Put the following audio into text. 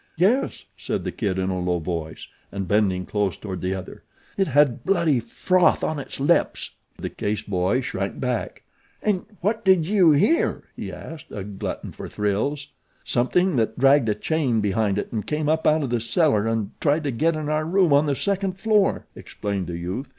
"Yes," said the Kid in a low voice, and bending close toward the other; "it had bloody froth on its lips!" The Case boy shrank back. "An' what did yew hear?" he asked, a glutton for thrills. "Something that dragged a chain behind it and came up out of the cellar and tried to get in our room on the second floor," explained the youth.